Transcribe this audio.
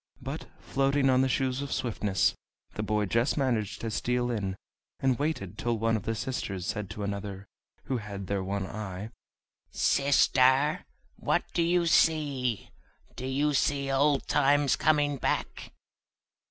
But, floating on the Shoes of Swiftness, the boy just managed to steal in, and waited till one of the sisters said to another, who had their one eye: "Sister, what do you see? do you see old times coming back?"